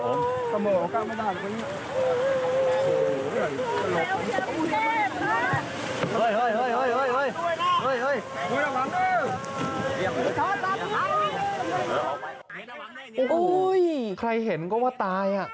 โอ้ยใครเห็นก็ว่าตาย